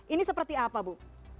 ini seperti apa bu